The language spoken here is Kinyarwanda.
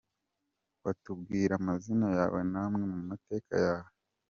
com : Watubwira amazina yawe n’amwe mu mateka yawe ?.